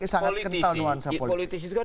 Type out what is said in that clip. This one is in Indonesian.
itu sangat kental nuansa politik